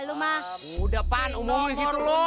udah pan umumnya situ lho